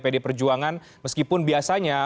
pd perjuangan meskipun biasanya